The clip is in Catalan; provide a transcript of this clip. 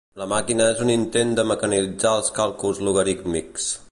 La màquina era un intent per mecanitzar els càlculs logarítmics.